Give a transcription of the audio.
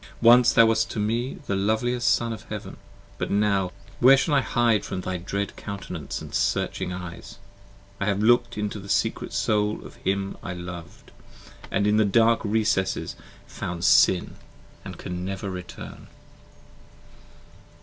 Once thou wast to me the loveliest Son of heaven: but now Where shall I hide from thy dread countenance & searching eyes? I have looked into the secret Soul of him I loved 15 And in the dark recesses found Sin & can never return.